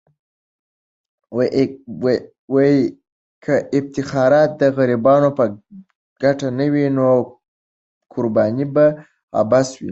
که افتخارات د غریبانو په ګټه نه وي، نو قرباني به عبث وي.